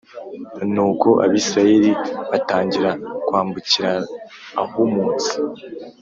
Nuko Abisirayeli batangira kwambukira ahumutse